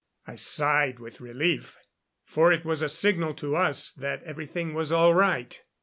I sighed with relief, for it was a signal to us that everything was all right.